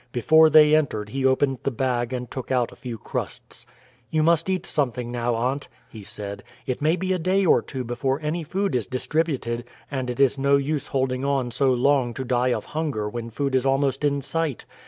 Before they entered he opened the bag and took out a few crusts. "You must eat something now, aunt," he said. "It may be a day or two before any food is distributed, and it is no use holding on so long to die of hunger when food is almost in sight.